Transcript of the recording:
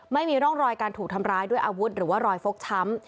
ไม่มีร่องรอยการถูกทำร้ายด้วยอาวุธหรือว่ารอยฟกช้ำ